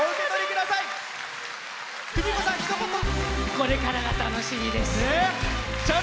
これからが楽しみです。